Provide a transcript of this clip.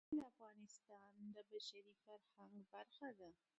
ژمی د افغانستان د بشري فرهنګ برخه ده.